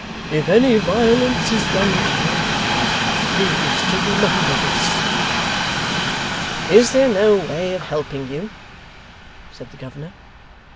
If any violence is done to me, please to remember this.' 'Is there no way of helping you?' said the governor.